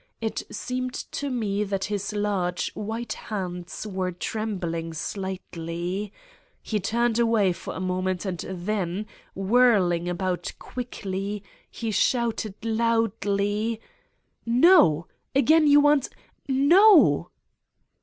It seemed to me that his large, white hands were trembling slightly. He turned away for a moment and then, whirling about quickly, he shouted loudly: " No ! Again you want ... No